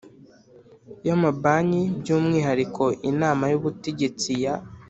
y amabanki by umwihariko Inama y Ubutegetsi ya